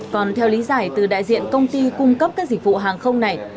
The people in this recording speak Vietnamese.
còn theo lý giải từ đại diện công ty cung cấp các dịch vụ hàng không này